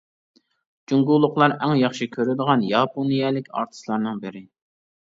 جۇڭگولۇقلار ئەڭ ياخشى كۆرىدىغان ياپونىيەلىك ئارتىسلارنىڭ بىرى.